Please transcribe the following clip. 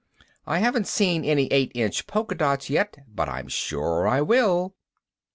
"I haven't seen any eight inch polka dots yet but I'm sure I will."